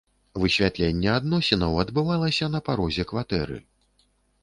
Высвятленне адносінаў адбывалася на парозе кватэры.